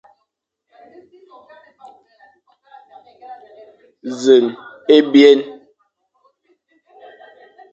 Nẑen ébyen.